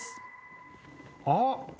あっ！